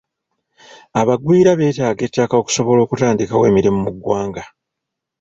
Abagwira beetaaga ettaka okusobola okutandikawo emirimu mu ggwanga.